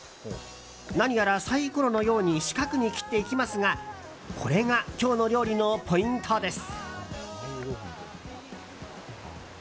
何やらサイコロのように四角に切っていきますがこれが今日の料理のポイントです。